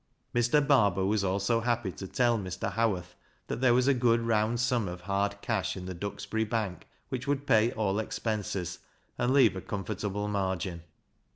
Mr. Barber was also happy to tell Mr. Howarth that there was a good round sum of hard cash in the Duxbury Bank, which would pay all expenses and leave a comfortable margin.